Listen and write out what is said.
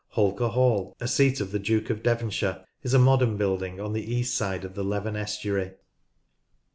Holker Hall, a seat of the Duke of Devonshire, is a modern building on the east side of the Leven estuary.